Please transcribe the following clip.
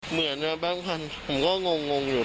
เหมือนเนี่ยแบ๊กพันธุ์ผมก็งงอยู่ตอนแรกผมก็ดู